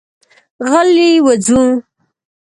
غلي وځو.